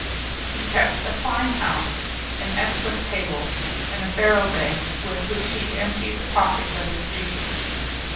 He kept a fine house, an excellent table, and a faro bank with which he emptied the pockets of his dupes.